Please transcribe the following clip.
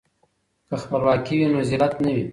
که خپلواکي وي نو ذلت نه وي.